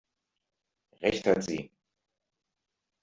Recht hat sie!